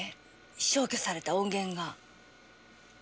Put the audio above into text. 消去された音源が。